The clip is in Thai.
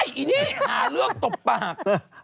โอ๊ยอินี่หาเรื่องตบปาก